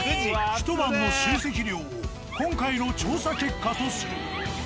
ひと晩の集積量を今回の調査結果とする。